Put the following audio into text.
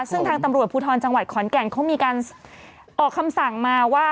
ซึ่งทางตำรวจภูทรจังหวัดขอนแก่นเขามีการออกคำสั่งมาว่า